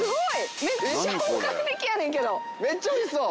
めっちゃおいしそう。